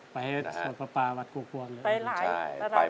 ไปสวดประปาวัดกว่ะไปหลาย